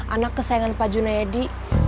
anak kesayangan pak junaedi